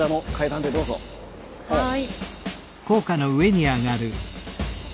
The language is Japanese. はい。